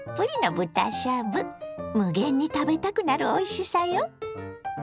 無限に食べたくなるおいしさよ！